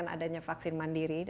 saya kalau melihatnya k detail kita